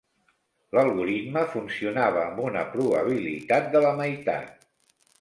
L'algoritme funcionava amb una probabilitat de la meitat.